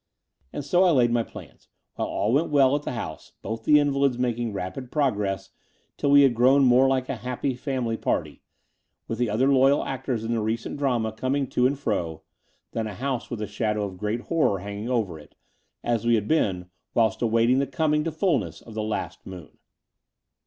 ^ And so I laid my plans, while all went well at the house, both the invalids making rapid progress till we had grown more like a happy family party, with the other loyal actors in the recent drama coming to and fro, than a house with the shadow of great horror hanging over it, as we had been whilst awaiting the coming to fullness of the last moon.